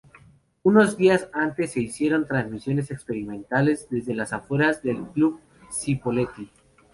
Unos días antes, se hicieron transmisiones experimentales desde las afueras del club Cipolletti.